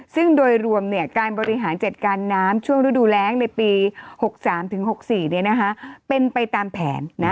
ซึ่งโดยรวมการบริหารจัดการน้ำช่วงฤดูแรงในปี๖๓๖๔เป็นไปตามแผน